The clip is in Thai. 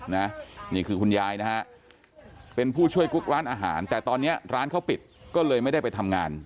นี่คือคุณยายนะฮะเป็นผู้ช่วยกุ๊กร้านอาหารแต่ตอนนี้ร้านเขาปิดก็เลยไม่ได้ไปทำงาน